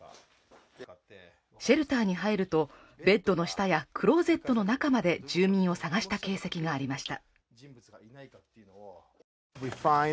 シェルターに入ると、ベッドの下やクローゼットの中まで住民を探した形跡がありました。